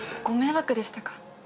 ご迷惑でしたか？